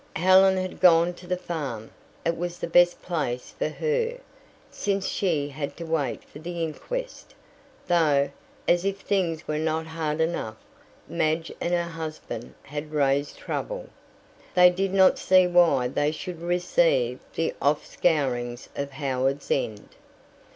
Helen had gone to the farm. It was the best place for her, since she had to wait for the inquest. Though, as if things were not hard enough, Madge and her husband had raised trouble; they did not see why they should receive the offscourings of Howards End.